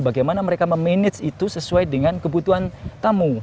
bagaimana mereka memanage itu sesuai dengan kebutuhan tamu